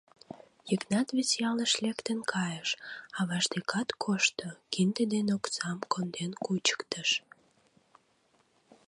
Йыгнат вес ялыш лектын кайыш, аваж декат кошто, кинде ден оксам конден кучыктыш.